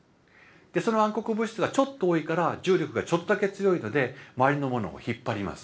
その暗黒物質がちょっと多いから重力がちょっとだけ強いので周りのものを引っ張ります。